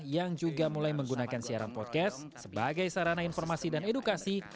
yang juga mulai menggunakan siaran podcast sebagai sarana informasi dan edukasi